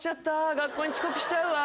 学校に遅刻しちゃうわ。